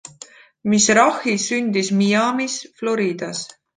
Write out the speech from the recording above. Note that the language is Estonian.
Mizrachi sündis Miamis Floridas.